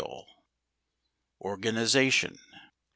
ORGANIZATION.